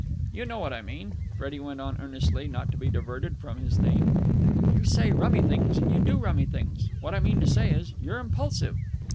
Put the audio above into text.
"You know what I mean," Freddie went on earnestly, not to be diverted from his theme. "You say rummy things and you do rummy things. What I mean to say is, you're impulsive."